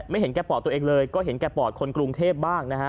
เห็นแก่ปอดตัวเองเลยก็เห็นแก่ปอดคนกรุงเทพบ้างนะฮะ